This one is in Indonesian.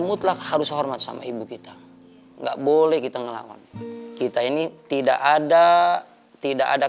mutlak harus hormat sama ibu kita enggak boleh kita ngelawan kita ini tidak ada tidak ada